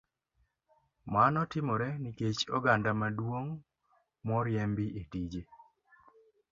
Mano timore nikech oganda maduong' moriembi e tije.